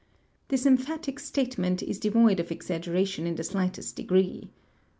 This emphatic statement is devoid of exaggeration in the slightest degree.